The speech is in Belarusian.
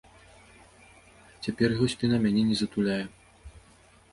Цяпер яго спіна мяне не затуляе.